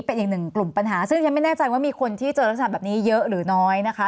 เป็นอีกหนึ่งกลุ่มปัญหาซึ่งฉันไม่แน่ใจว่ามีคนที่เจอลักษณะแบบนี้เยอะหรือน้อยนะคะ